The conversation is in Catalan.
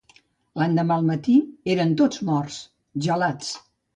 L'endemà al matí eren tots morts, gelats.